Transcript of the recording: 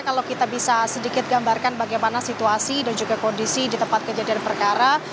kalau kita bisa sedikit gambarkan bagaimana situasi dan juga kondisi di tempat kejadian perkara